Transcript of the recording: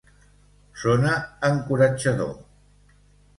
Sona encoratjador.